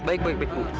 baik baik baik bu